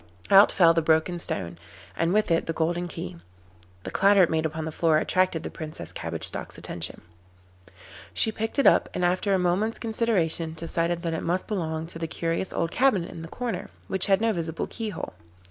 Out fell the broken stone, and with it the golden key. The clatter it made upon the floor attracted the Princess Cabbage Stalk's attention. She picked it up, and after a moment's consideration decided that it must belong to the curious old cabinet in the corner, which had no visible keyhole.